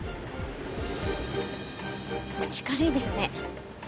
口軽いですね。